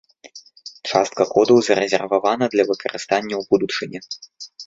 Частка кодаў зарэзервавана для выкарыстання ў будучыні.